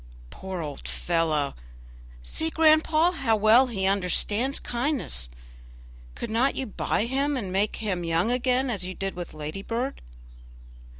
"Poor old fellow! see, grandpapa, how well he understands kindness. Could not you buy him and make him young again as you did with Ladybird?"